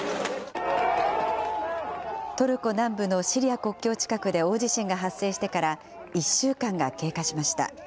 トルコ南部のシリア国境近くで大地震が発生してから１週間が経過しました。